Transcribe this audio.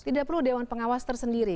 tidak perlu dewan pengawas tersendiri